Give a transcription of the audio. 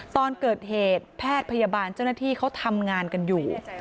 ตอนเกิดเหตุแพทย์พยาบาลเจ้าหน้าที่เขาทำงานกันอยู่